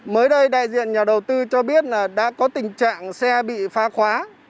mới đây đại diện nhà đầu tư cho biết là đã có tình trạng xe bị phá khóa